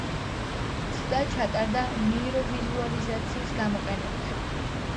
ცდა ჩატარდა ნეიროვიზუალიზაციის გამოყენებით.